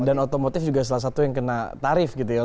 dan otomotif juga salah satu yang kena tarif gitu ya